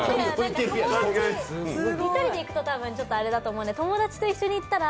１人で行くとたぶんあれだと思うんで、友達と一緒に行ったら